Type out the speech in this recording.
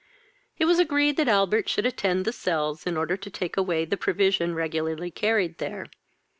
It was agreed that Albert should attend the cells in order to take away the provision regularly carried there.